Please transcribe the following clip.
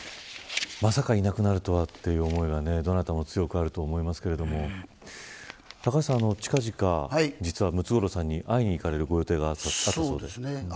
まさかいなくなるとはという思いは、どなたも強くあると思いますが近々ムツゴロウさんに会いに行かれるご予定があったそうですね。